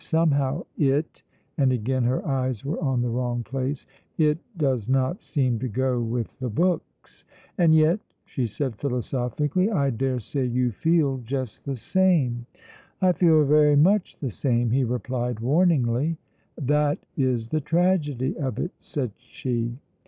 Somehow it" and again her eyes were on the wrong place "it does not seem to go with the books. And yet," she said philosophically, "I daresay you feel just the same?" "I feel very much the same," he replied warningly. "That is the tragedy of it," said she.